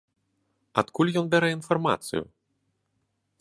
Адкуль ён бярэ інфармацыю?